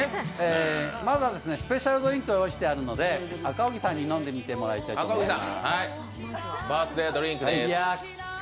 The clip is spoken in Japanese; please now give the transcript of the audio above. まずはスペシャルドリンクを用意してありますので赤荻さんに飲んでみてもらいたいと思います。